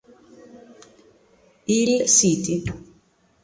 Hill City